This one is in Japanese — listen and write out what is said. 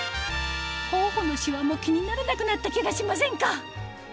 頬のシワも気にならなくなった気がしませんか？